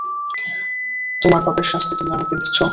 তোমার পাপের শাস্তি তুমি আমাকে দিচ্ছো!